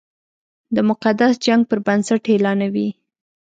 د مقدس جنګ پر بنسټ اعلانوي.